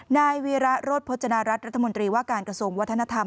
นายวีระโรธพจนารัฐรัฐมนตรีว่าการกระทรวงวัฒนธรรม